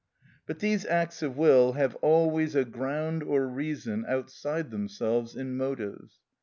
But these acts of will have always a ground or reason outside themselves in motives.